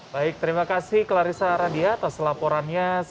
baik terima kasih clarissa aradia atas laporannya